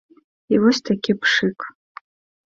І вось такі пшык.